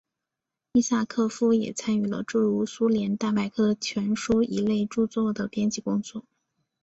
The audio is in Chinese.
伊萨科夫也参与了诸如苏联大百科全书一类着作的编辑工作。